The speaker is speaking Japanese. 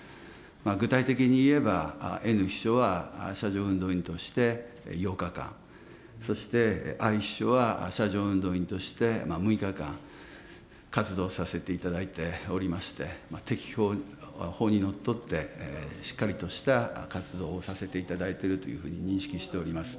具体的に言えば、Ｎ秘書は車上運動員として８日間、そしてＩ秘書は車上運動員として６日間、活動させていただいておりまして、適法、法にのっとって、しっかりとした活動をさせていただいているというふうに認識しております。